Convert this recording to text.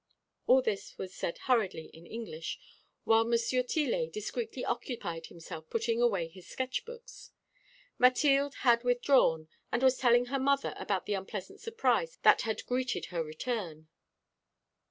All this was said hurriedly in English, while Monsieur Tillet discreetly occupied himself putting away his sketch books. Mathilde had withdrawn, and was telling her mother about the unpleasant surprise that had greeted her return.